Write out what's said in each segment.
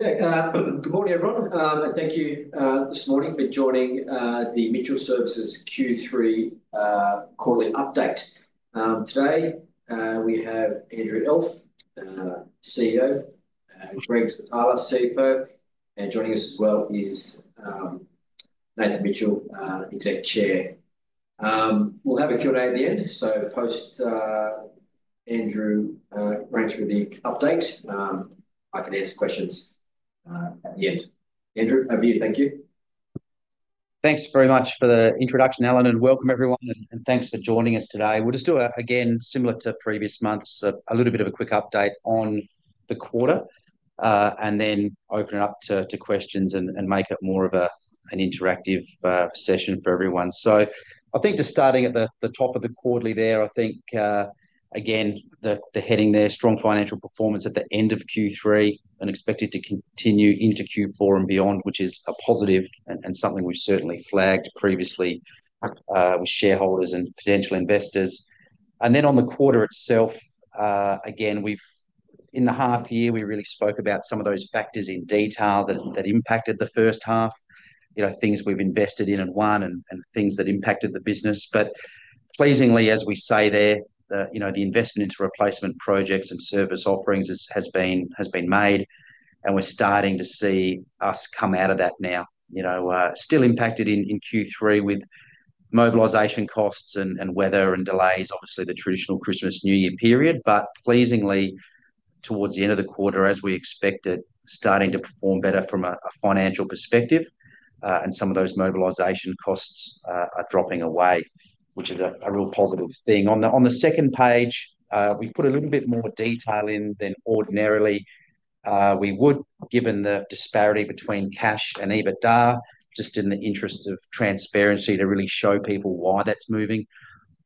Good morning, everyone. Thank you this morning for joining the Mitchell Services Q3 Quarterly Update. Today we have Andrew Elf, CEO; Greg Switala, CFO; and joining us as well is Nathan Mitchell, Executive Chair. We'll have a Q&A at the end, so post Andrew ranks with the update, I can ask questions at the end. Andrew, over to you. Thank you. Thanks very much for the introduction, Alan, and welcome everyone, and thanks for joining us today. We'll just do, again, similar to previous months, a little bit of a quick update on the quarter, and then open it up to questions and make it more of an interactive session for everyone. I think just starting at the top of the quarterly there, I think, again, the heading there, strong financial performance at the end of Q3, and expected to continue into Q4 and beyond, which is a positive and something we've certainly flagged previously with shareholders and potential investors. On the quarter itself, again, in the half year, we really spoke about some of those factors in detail that impacted the first half, things we've invested in and won and things that impacted the business. Pleasingly, as we say there, the investment into replacement projects and service offerings has been made, and we're starting to see us come out of that now. Still impacted in Q3 with mobilisation costs and weather and delays, obviously the traditional Christmas-New Year period, but pleasingly, towards the end of the quarter, as we expected, starting to perform better from a financial perspective, and some of those mobilisation costs are dropping away, which is a real positive thing. On the second page, we've put a little bit more detail in than ordinarily we would, given the disparity between cash and EBITDA, just in the interest of transparency to really show people why that's moving.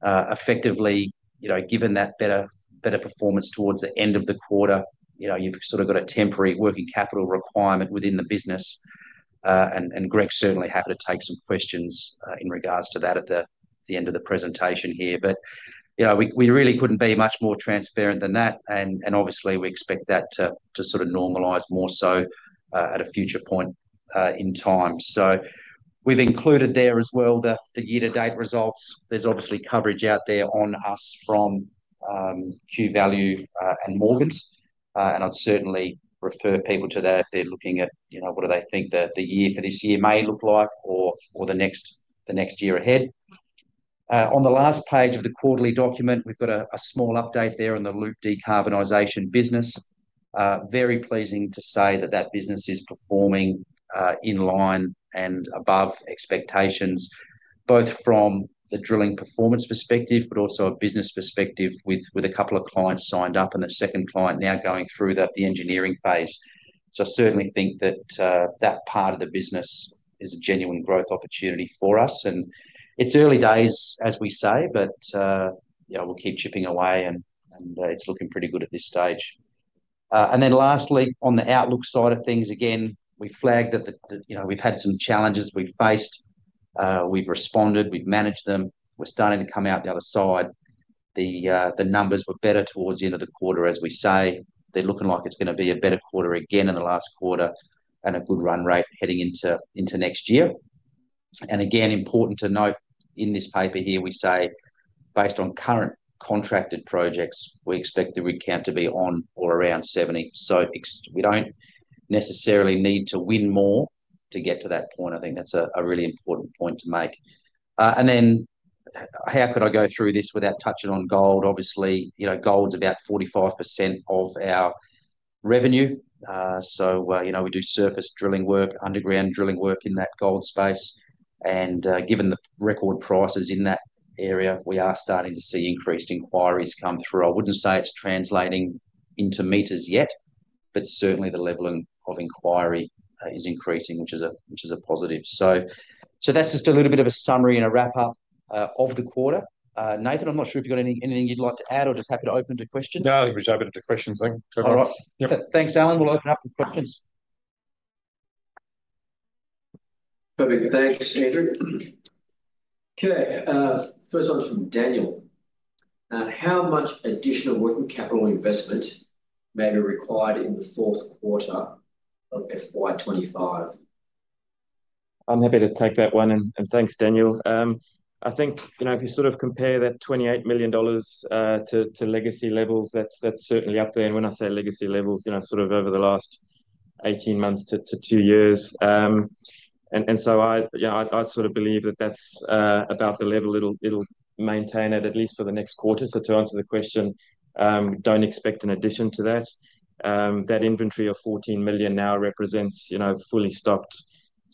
Effectively, given that better performance towards the end of the quarter, you've sort of got a temporary working capital requirement within the business, and Greg certainly happy to take some questions in regards to that at the end of the presentation here. We really could not be much more transparent than that, and obviously, we expect that to sort of normalise more so at a future point in time. We have included there as well the year-to-date results. There is obviously coverage out there on us from Q-Value and Morgans, and I'd certainly refer people to that if they're looking at what do they think the year for this year may look like or the next year ahead. On the last page of the quarterly document, we've got a small update there in the Loop decarbonisation business. Very pleasing to say that that business is performing in line and above expectations, both from the drilling performance perspective, but also a business perspective with a couple of clients signed up and the second client now going through the engineering phase. I certainly think that that part of the business is a genuine growth opportunity for us, and it's early days, as we say, but we'll keep chipping away, and it's looking pretty good at this stage. Lastly, on the outlook side of things, again, we flagged that we've had some challenges we've faced. We've responded, we've managed them. We're starting to come out the other side. The numbers were better towards the end of the quarter, as we say. They're looking like it's going to be a better quarter again in the last quarter and a good run rate heading into next year. Again, important to note in this paper here, we say, based on current contracted projects, we expect the recount to be on or around 70. We do not necessarily need to win more to get to that point. I think that is a really important point to make. How could I go through this without touching on gold? Obviously, gold is about 45% of our revenue. We do surface drilling work, underground drilling work in that gold space. Given the record prices in that area, we are starting to see increased inquiries come through. I would not say it is translating into meters yet, but certainly the level of inquiry is increasing, which is a positive. That is just a little bit of a summary and a wrap-up of the quarter. Nathan, I'm not sure if you've got anything you'd like to add or just happy to open to questions. No, I'll be open to questions. Thanks, Alan. We'll open up for questions. Perfect. Thanks, Andrew. Okay. First one's from Daniel. How much additional working capital investment may be required in the fourth quarter of FY 2025? I'm happy to take that one, and thanks, Daniel. I think if you sort of compare that 28 million dollars to legacy levels, that's certainly up there. When I say legacy levels, sort of over the last 18 months to two years. I sort of believe that that's about the level it'll maintain at, at least for the next quarter. To answer the question, don't expect an addition to that. That inventory of 14 million now represents fully stocked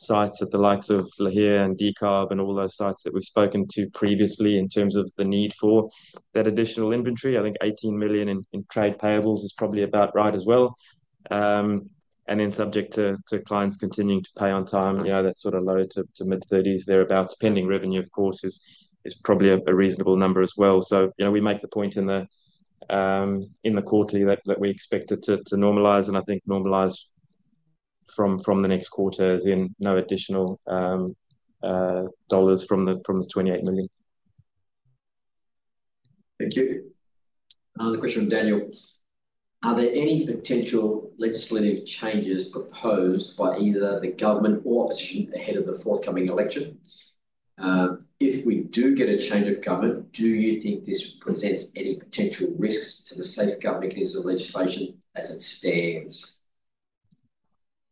sites at the likes of Lahire and Decarb and all those sites that we've spoken to previously in terms of the need for that additional inventory. I think 18 million in trade payables is probably about right as well. Subject to clients continuing to pay on time, that sort of low to mid-30's thereabouts, pending revenue, of course, is probably a reasonable number as well. We make the point in the quarterly that we expect it to normalise, and I think normalise from the next quarter as in no additional dollars from the 28 million. Thank you. The question from Daniel. Are there any potential legislative changes proposed by either the government or opposition ahead of the forthcoming election? If we do get a change of government, do you think this presents any potential risks to the safeguard mechanism of legislation as it stands?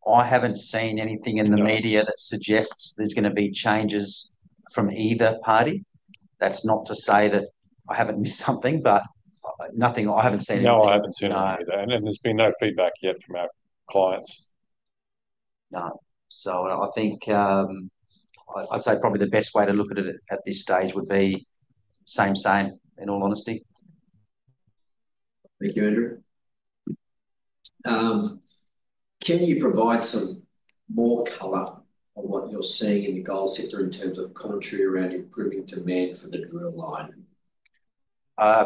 I haven't seen anything in the media that suggests there's going to be changes from either party. That's not to say that I haven't missed something, but nothing I have seen. No, I haven't seen anything. There's been no feedback yet from our clients. No. I'd say probably the best way to look at it at this stage would be same-same, in all honesty. Thank you, Andrew. Can you provide some more color on what you're seeing in the goal setter in terms of commentary around improving demand for the drill line?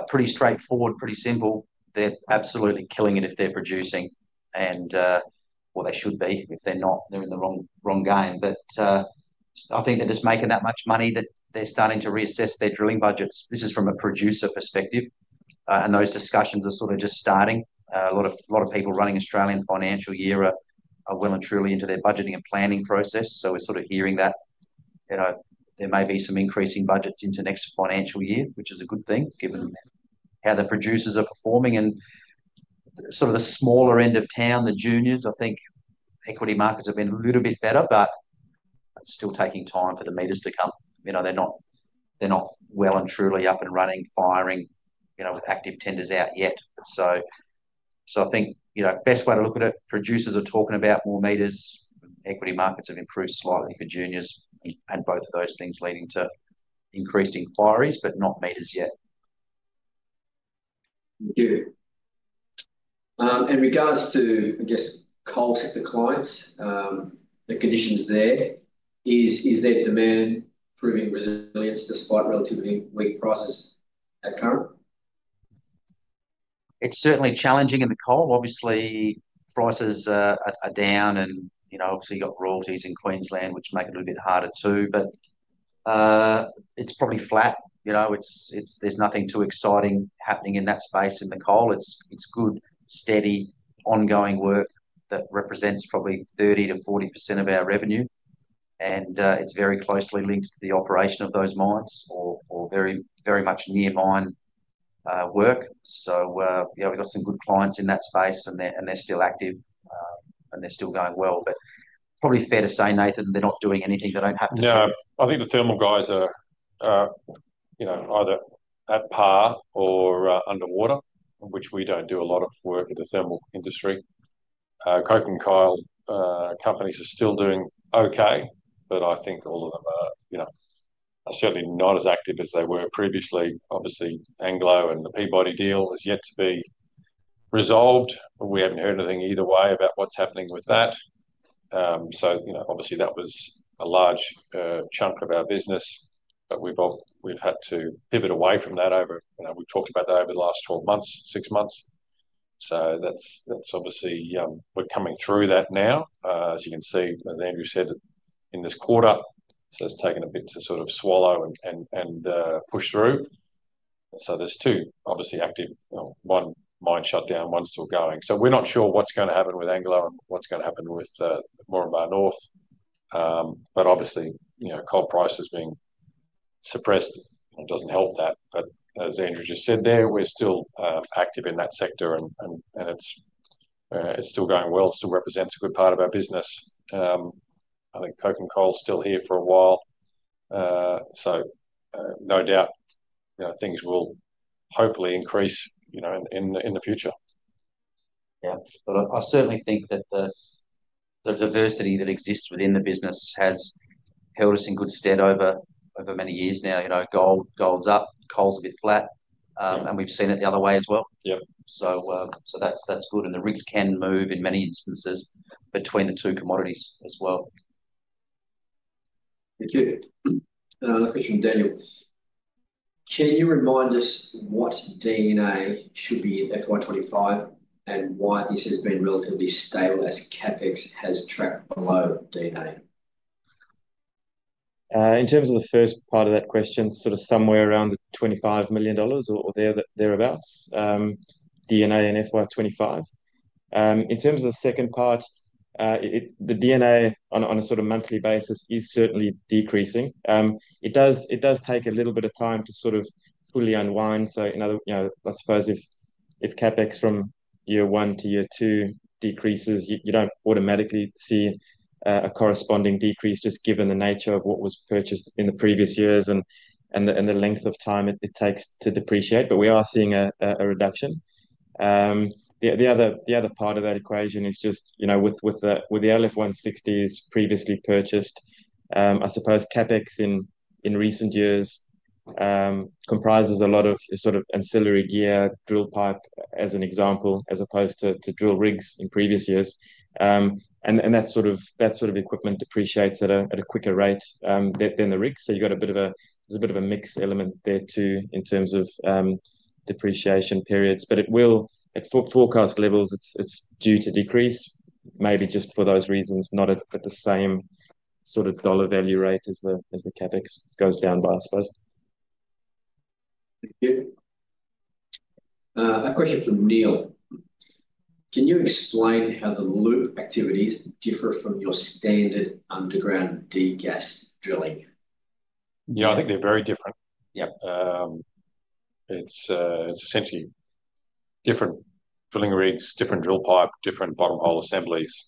Pretty straightforward, pretty simple. They're absolutely killing it if they're producing, and they should be. If they're not, they're in the wrong game. I think they're just making that much money that they're starting to reassess their drilling budgets. This is from a producer perspective, and those discussions are sort of just starting. A lot of people running Australian financial year are well and truly into their budgeting and planning process. We're sort of hearing that there may be some increasing budgets into next financial year, which is a good thing given how the producers are performing. The smaller end of town, the juniors, I think equity markets have been a little bit better, but it's still taking time for the meters to come. They're not well and truly up and running, firing active tenders out yet. I think the best way to look at it, producers are talking about more metres. Equity markets have improved slightly for juniors and both of those things leading to increased inquiries, but not metres yet. Thank you. In regards to, I guess, coal sector clients, the conditions there, is their demand proving resilient despite relatively weak prices at current? It's certainly challenging in the coal. Obviously, prices are down, and obviously you've got royalties in Queensland, which make it a little bit harder too. It is probably flat. There's nothing too exciting happening in that space in the coal. It's good, steady, ongoing work that represents probably 30-40% of our revenue, and it's very closely linked to the operation of those mines or very much near mine work. We have some good clients in that space, and they're still active, and they're still going well. It is probably fair to say, Nathan, they're not doing anything they don't have to do. No, I think the thermal guys are either at par or underwater, which we do not do a lot of work in the thermal industry. Coke and coal companies are still doing okay, but I think all of them are certainly not as active as they were previously. Obviously, Anglo and the Peabody deal has yet to be resolved. We have not heard anything either way about what is happening with that. That was a large chunk of our business, but we have had to pivot away from that over, we have talked about that over the last 12 months, six months. That is, we are coming through that now. As you can see, as Andrew said, in this quarter, it has taken a bit to sort of swallow and push through. There are two, obviously, active. One mine shut down, one is still going. We're not sure what's going to happen with Anglo American and what's going to happen with Moromba North. Obviously, coal prices being suppressed doesn't help that. As Andrew just said there, we're still active in that sector, and it's still going well. It still represents a good part of our business. I think coking coal is still here for a while. No doubt things will hopefully increase in the future. Yeah. I certainly think that the diversity that exists within the business has held us in good stead over many years now. Gold's up, coal's a bit flat, and we've seen it the other way as well. That's good. The rigs can move in many instances between the two commodities as well. Thank you. The question from Daniel. Can you remind us what D&A should be in FY2025 and why this has been relatively stable as CapEx has tracked below D&A? In terms of the first part of that question, sort of somewhere around the 25 million dollars or thereabouts, D&A in FY2025. In terms of the second part, the D&A on a sort of monthly basis is certainly decreasing. It does take a little bit of time to sort of fully unwind. I suppose if CapEx from year one to year two decreases, you do not automatically see a corresponding decrease just given the nature of what was purchased in the previous years and the length of time it takes to depreciate. We are seeing a reduction. The other part of that equation is just with the LF160s previously purchased, I suppose CapEx in recent years comprises a lot of sort of ancillary gear, drill pipe as an example, as opposed to drill rigs in previous years. That sort of equipment depreciates at a quicker rate than the rigs. You've got a bit of a mixed element there too in terms of depreciation periods. At forecast levels, it's due to decrease, maybe just for those reasons, not at the same sort of dollar value rate as the CapEx goes down by, I suppose. Thank you. A question from Neil. Can you explain how the Loop activities differ from your standard underground de-gas drilling? Yeah, I think they're very different. It's essentially different drilling rigs, different drill pipe, different bottom hole assemblies,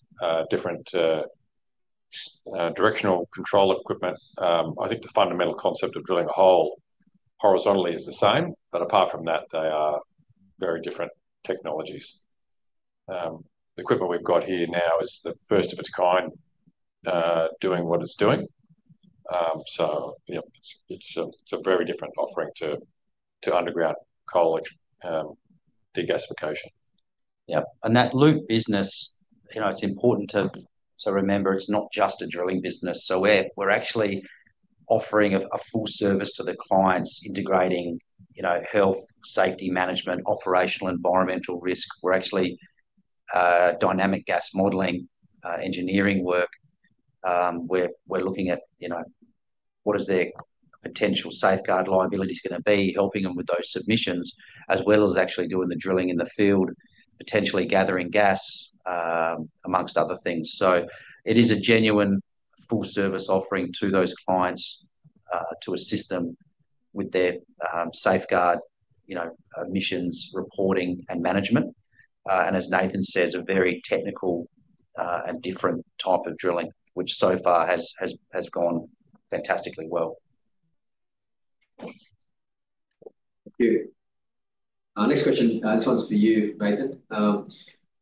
different directional control equipment. I think the fundamental concept of drilling a hole horizontally is the same, but apart from that, they are very different technologies. The equipment we've got here now is the first of its kind doing what it's doing. It is a very different offering to underground coal de-gasification. Yeah. That Loop business, it's important to remember it's not just a drilling business. We're actually offering a full service to the clients, integrating health, safety management, operational environmental risk. We're actually dynamic gas modeling engineering work. We're looking at what their potential safeguard liability is going to be, helping them with those submissions, as well as actually doing the drilling in the field, potentially gathering gas, amongst other things. It is a genuine full service offering to those clients to assist them with their safeguard missions, reporting, and management. As Nathan says, a very technical and different type of drilling, which so far has gone fantastically well. Thank you. Next question. This one's for you, Nathan.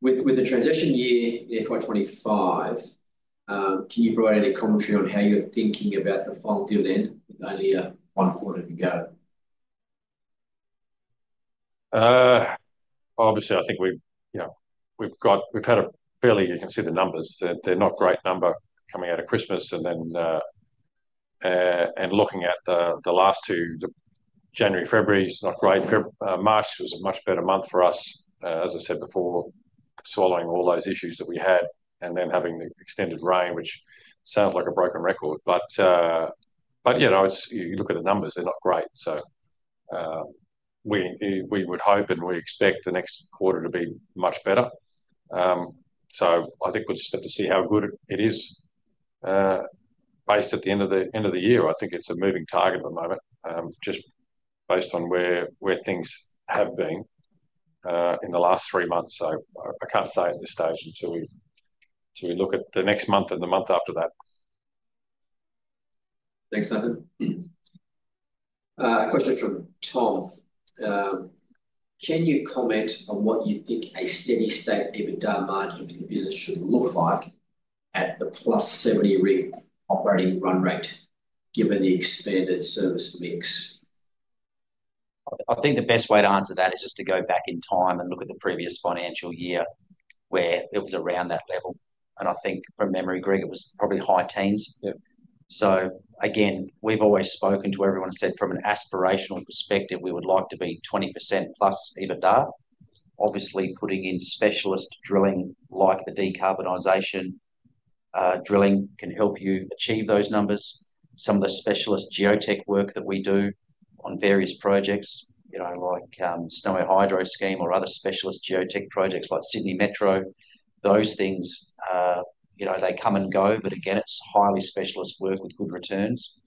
With the transition year in FY2025, can you provide any commentary on how you're thinking about the final year then with only one quarter to go? Obviously, I think we've had a fairly—you can see the numbers. They're not a great number coming out of Christmas. Looking at the last two, January, February, it's not great. March was a much better month for us, as I said before, swallowing all those issues that we had and then having the extended rain, which sounds like a broken record. You look at the numbers, they're not great. We would hope and we expect the next quarter to be much better. I think we'll just have to see how good it is. Based at the end of the year, I think it's a moving target at the moment, just based on where things have been in the last three months. I can't say at this stage until we look at the next month and the month after that. Thanks, Nathan. A question from Tom. Can you comment on what you think a steady state EBITDA margin for the business should look like at the plus 70 rig operating run rate given the expanded service mix? I think the best way to answer that is just to go back in time and look at the previous financial year where it was around that level. I think from memory, Greg, it was probably high teens. We have always spoken to everyone and said from an aspirational perspective, we would like to be 20% plus EBITDA. Obviously, putting in specialist drilling like the decarbonisation drilling can help you achieve those numbers. Some of the specialist geotech work that we do on various projects like Snowy Hydro scheme or other specialist geotech projects like Sydney Metro, those things, they come and go. It is highly specialist work with good returns.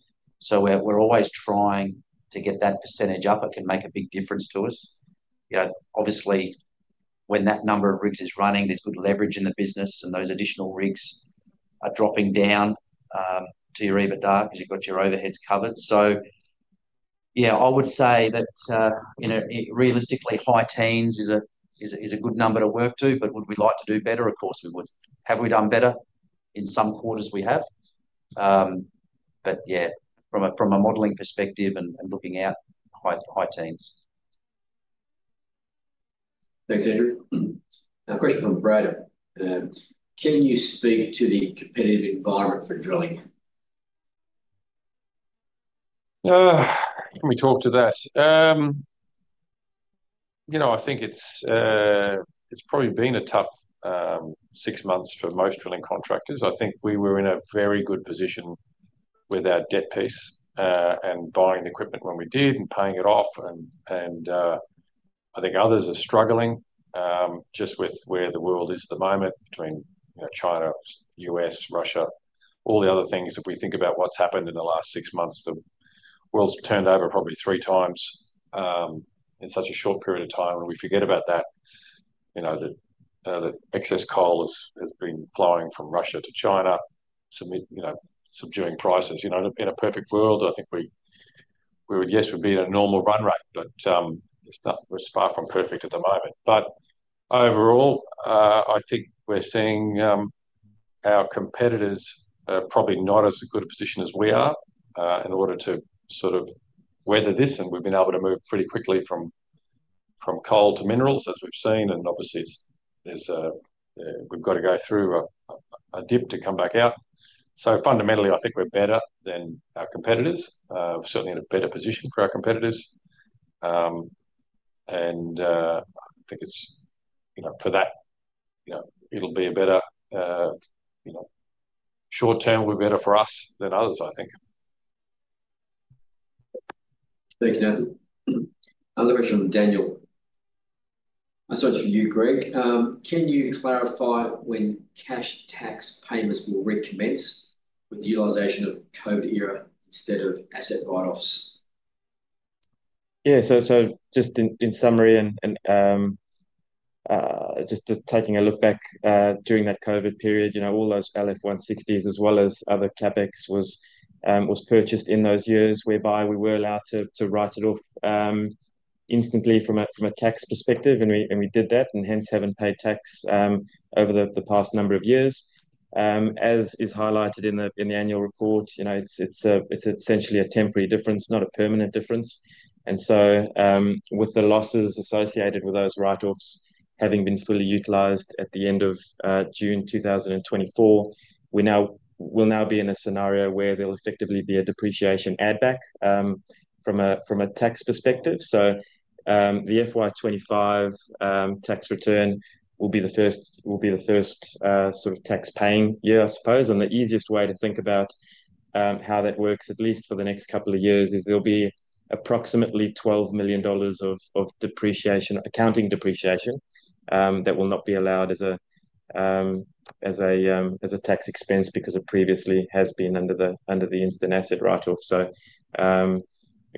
We are always trying to get that percentage up. It can make a big difference to us. Obviously, when that number of rigs is running, there's good leverage in the business, and those additional rigs are dropping down to your EBITDA because you've got your overheads covered. Yeah, I would say that realistically, high teens is a good number to work to, but would we like to do better? Of course, we would. Have we done better? In some quarters we have. Yeah, from a modelling perspective and looking out, high teens. Thanks, Andrew. A question from Brandon. Can you speak to the competitive environment for drilling? Can we talk to that? I think it's probably been a tough six months for most drilling contractors. I think we were in a very good position with our debt piece and buying the equipment when we did and paying it off. I think others are struggling just with where the world is at the moment between China, U.S., Russia, all the other things. If we think about what's happened in the last six months, the world's turned over probably three times in such a short period of time. We forget about that, that excess coal has been flowing from Russia to China, subduing prices. In a perfect world, I think we would, yes, we'd be at a normal run rate, but it's far from perfect at the moment. Overall, I think we're seeing our competitors are probably not as good a position as we are in order to sort of weather this. We've been able to move pretty quickly from coal to minerals, as we've seen. Obviously, we've got to go through a dip to come back out. Fundamentally, I think we're better than our competitors. We're certainly in a better position for our competitors. I think for that, it'll be a better short term, it'll be better for us than others, I think. Thank you, Nathan. Another question from Daniel. This one's for you, Greg. Can you clarify when cash tax payments will recommence with the utilisation of COVID era instant asset write-offs? Yeah. Just in summary and just taking a look back during that COVID period, all those LF160s as well as other CapEx was purchased in those years whereby we were allowed to write it off instantly from a tax perspective. We did that and hence have not paid tax over the past number of years. As is highlighted in the annual report, it is essentially a temporary difference, not a permanent difference. With the losses associated with those write-offs having been fully utilised at the end of June 2024, we will now be in a scenario where there will effectively be a depreciation add-back from a tax perspective. The FY2025 tax return will be the first sort of tax-paying year, I suppose. The easiest way to think about how that works, at least for the next couple of years, is there'll be approximately 12 million dollars of accounting depreciation that will not be allowed as a tax expense because it previously has been under the instant asset write-off.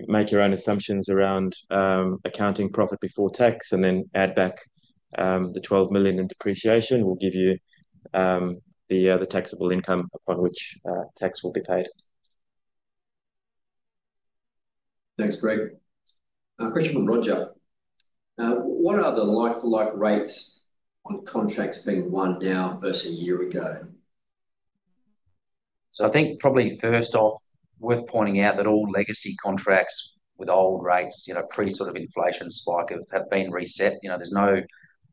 Make your own assumptions around accounting profit before tax and then add back the 12 million in depreciation will give you the taxable income upon which tax will be paid. Thanks, Greg. A question from Roger. What are the like-for-like rates on contracts being won now versus a year ago? I think probably first off, worth pointing out that all legacy contracts with old rates, pre sort of inflation spike, have been reset. There's no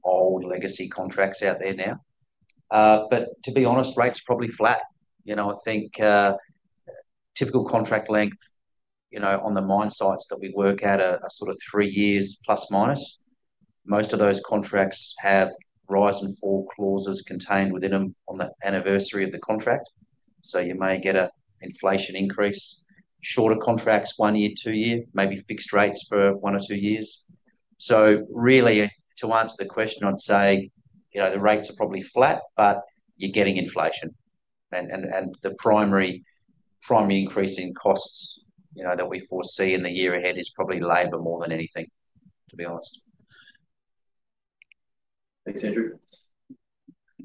old legacy contracts out there now. To be honest, rates are probably flat. I think typical contract length on the mine sites that we work at are sort of three years plus minus. Most of those contracts have rise and fall clauses contained within them on the anniversary of the contract. You may get an inflation increase. Shorter contracts, one year, two year, maybe fixed rates for one or two years. Really, to answer the question, I'd say the rates are probably flat, but you're getting inflation. The primary increase in costs that we foresee in the year ahead is probably labor more than anything, to be honest. Thanks, Andrew.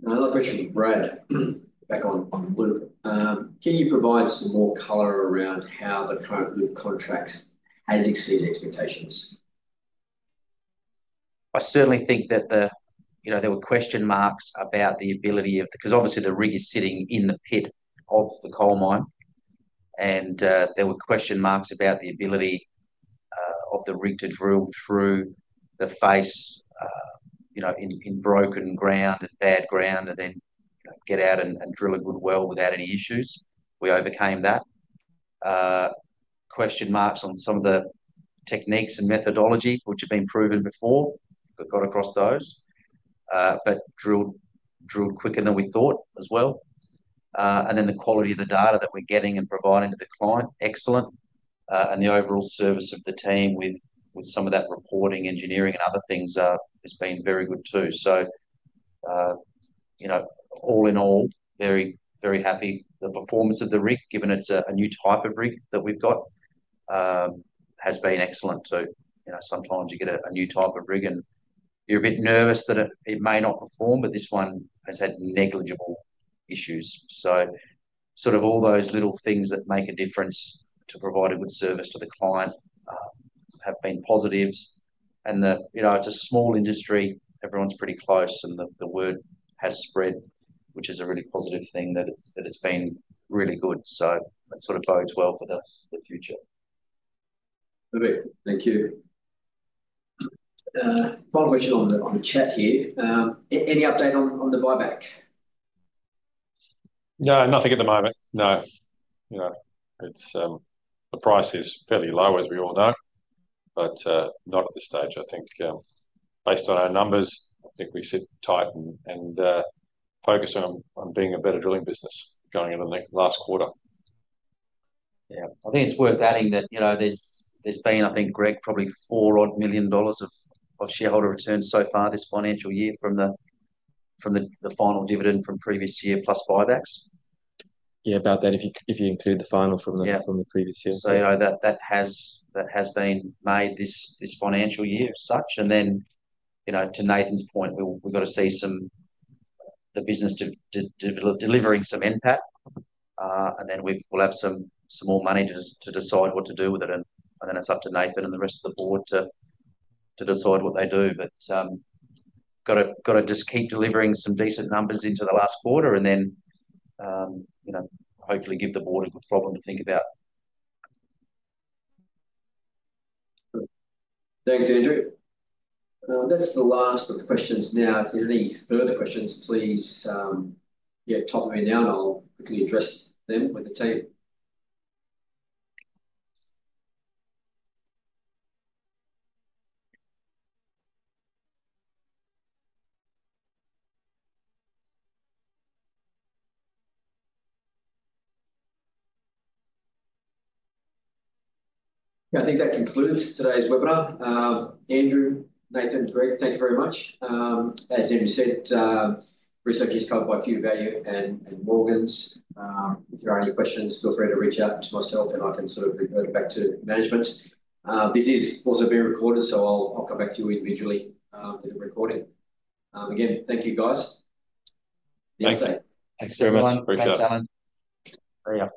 Another question from Brandon. Back on Loop. Can you provide some more color around how the current Loop contracts has exceeded expectations? I certainly think that there were question marks about the ability of the rig because obviously the rig is sitting in the pit of the coal mine. There were question marks about the ability of the rig to drill through the face in broken ground and bad ground and then get out and drill a good well without any issues. We overcame that. Question marks on some of the techniques and methodology which have been proven before. We have got across those. Drilled quicker than we thought as well. The quality of the data that we are getting and providing to the client, excellent. The overall service of the team with some of that reporting, engineering, and other things has been very good too. All in all, very, very happy. The performance of the rig, given it's a new type of rig that we've got, has been excellent too. Sometimes you get a new type of rig and you're a bit nervous that it may not perform, but this one has had negligible issues. All those little things that make a difference to provide a good service to the client have been positives. It's a small industry. Everyone's pretty close and the word has spread, which is a really positive thing that it's been really good. That bodes well for the future. Perfect. Thank you. Final question on the chat here. Any update on the buyback? No, nothing at the moment. No. The price is fairly low, as we all know, but not at this stage. I think based on our numbers, I think we sit tight and focus on being a better drilling business going into the last quarter. Yeah. I think it's worth adding that there's been, I think, Greg, probably 4 million dollars of shareholder returns so far this financial year from the final dividend from previous year plus buybacks. Yeah, about that, if you include the final from the previous year. That has been made this financial year such. Then to Nathan's point, we've got to see the business delivering some impact. Then we'll have some more money to decide what to do with it. Then it's up to Nathan and the rest of the board to decide what they do. Got to just keep delivering some decent numbers into the last quarter and then hopefully give the board a good problem to think about. Thanks, Andrew. That's the last of the questions now. If there are any further questions, please, yeah, top of your mind, I'll quickly address them with the team. I think that concludes today's webinar. Andrew, Nathan, Greg, thank you very much. As Andrew said, research is covered by Q-Value and Morgans. If there are any questions, feel free to reach out to myself and I can sort of revert back to management. This is also being recorded, so I'll come back to you individually with the recording. Again, thank you, guys. The update. Thanks very much. Appreciate it. Thanks, Alan.